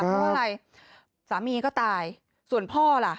เพราะว่าอะไรสามีก็ตายส่วนพ่อล่ะ